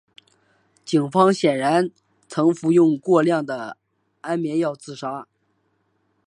警方显然曾服用过量的安眠药自杀。